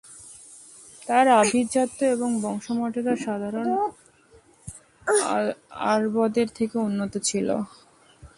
তার আভিজাত্য এবং বংশ মর্যাদাও সাধারণ আরবদের থেকে উন্নত ছিল।